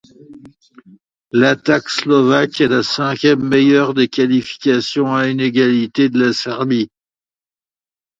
L'attaque slovaque est la cinquième meilleure des qualifications, à égalité avec la Serbie.